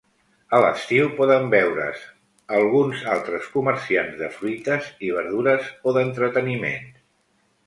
A l'estiu poden veure's alguns altres comerciants de fruites i verdures o d'entreteniments.